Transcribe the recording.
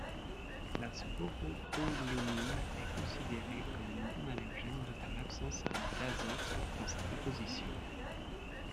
La sporopollénine est considérée comme non allergène de par l'absence d'azote dans sa composition.